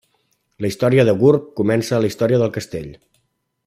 La història de Gurb comença amb la història del castell.